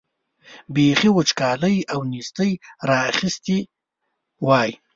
بېخي وچکالۍ او نېستۍ را اخیستي وای.